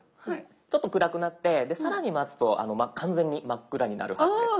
ちょっと暗くなって更に待つと完全に真っ暗になるはずです。